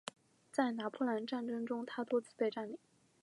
在拿破仑战争中它多次被占领。